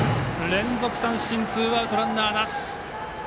連続三振、ツーアウトランナーなし。